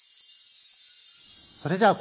それじゃあ昴